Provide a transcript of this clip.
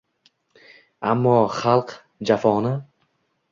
Ammo xalk jafoni